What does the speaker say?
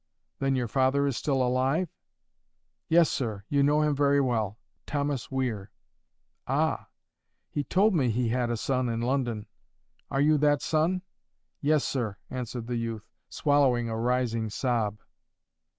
"Then your father is still alive?" "Yes, sir. You know him very well—Thomas Weir." "Ah! He told me he had a son in London. Are you that son?" "Yes, sir," answered the youth, swallowing a rising sob.